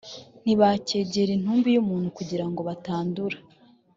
ntibakegere intumbi y’umuntu kugira ngo batandura